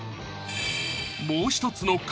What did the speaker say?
もう一つの顔